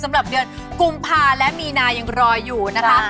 สำหรับเดือนกุมภาและมีนายังรออยู่นะคะ